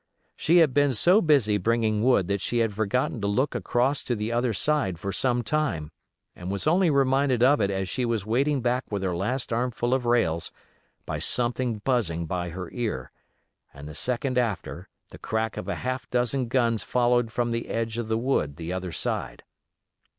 She had been so busy bringing wood that she had forgotten to look across to the other side for some time, and was only reminded of it as she was wading back with her last armful of rails by something buzzing by her ear, and the second after the crack of a half dozen guns followed from the edge of the wood the other side.